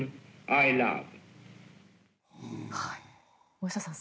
大下さん